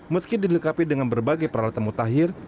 meski dilengkapi dengan berbagai peralatan mutakhir